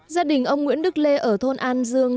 gia đình ông nguyễn đức lê ở thôn an dương